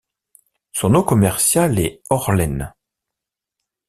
Son nom commercial est Orlen.